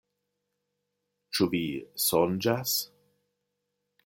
Ĉu vi sonĝas?